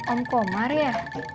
om komar ya